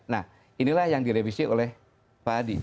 nah inilah yang direvisi oleh pak adi